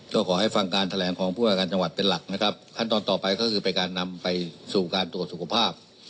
ก็ขอให้ฟังการแถลงของผู้ประการจังหวัดเป็นหลักนะครับขั้นตอนต่อไปก็คือเป็นการนำไปสู่การตรวจสุขภาพ